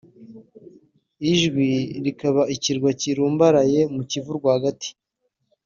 Ijwi rikaba Ikirwa kirumbaraye mu Kivu rwagati